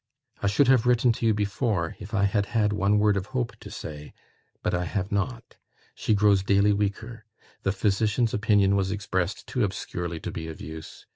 "I should have written to you before, if I had had one word of hope to say; but I have not. She grows daily weaker. The physician's opinion was expressed too obscurely to be of use.